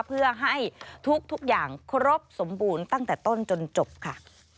เพื่อให้ทุกอย่างครบสมบูรณ์ตั้งแต่ต้นจนจบค่ะ